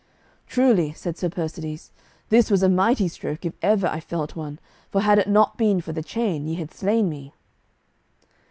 "Truly," said Sir Persides, "that was a mighty stroke if ever I felt one, for had it not been for the chain, ye had slain me."